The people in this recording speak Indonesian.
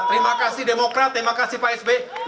terima kasih demokrat terima kasih pak sby